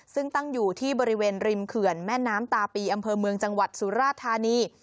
ซึ่งตั้งอยู่ที่บริเวณริมเขื่อนแม่น้ำตาปีอำเภอเมืองจังหวัดสุราธานี